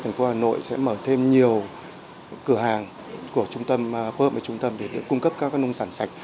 thành phố hà nội sẽ mở thêm nhiều cửa hàng của trung tâm phối hợp với trung tâm để cung cấp các nông sản sạch